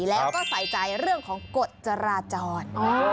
แล้วก็ใส่ใจเรื่องของกฎจราจร